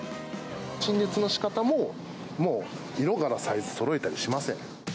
陳列のしかたも、もう色柄、サイズ、そろえたりしません。